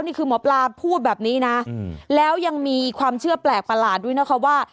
นี่คือหมอปลาพูดแบบนี้นะแล้วยังมีความเชื่อแปลกประหลาดด้วยนะคะว่า